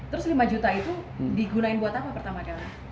terus lima juta itu digunain buat apa pertama kali